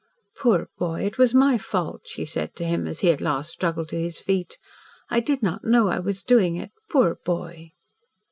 "Poor boy, it was my fault," she said to him as he at last struggled to his feet. "I did not know I was doing it. Poor boy!"